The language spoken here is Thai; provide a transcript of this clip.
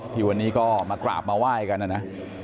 ที่วันนี้ก็มากราบมาไหว้กันนะนะ